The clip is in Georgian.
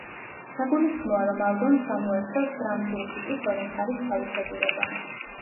საგულისხმოა, რომ ალბომს გამოარჩევს გრამფირფიტის ორი მხარის თავისებურება.